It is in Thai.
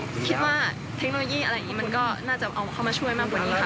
คิดว่าเทคโนโลยีอะไรอย่างนี้มันก็น่าจะเอาเข้ามาช่วยมากกว่านี้ค่ะ